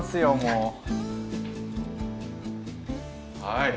はい。